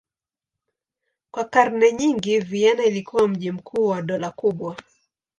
Kwa karne nyingi Vienna ilikuwa mji mkuu wa dola kubwa.